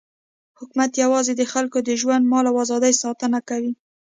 حکومت یوازې د خلکو د ژوند، مال او ازادۍ ساتنه کوي.